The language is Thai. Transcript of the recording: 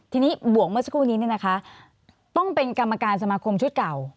ทีนี้บวกเมื่อสักครู่นี้ต้องเป็นกรรมการสมาคมชุดเก่า